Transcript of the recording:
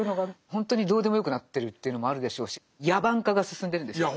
ほんとにどうでもよくなってるというのもあるでしょうし野蛮化が進んでるんですよ。